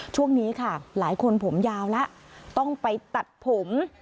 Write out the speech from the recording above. ช่วงนี้ค่ะหลายคนผมยาวแล้วต้องไปตัดผม